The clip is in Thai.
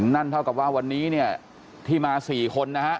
นั่นเท่ากับว่าวันนี้เนี่ยที่มา๔คนนะฮะ